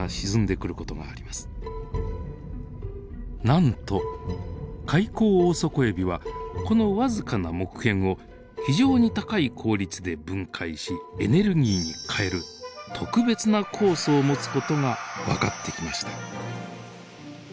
なんとカイコウオオソコエビはこの僅かな木片を非常に高い効率で分解しエネルギーに変える特別な酵素を持つ事が分かってきました。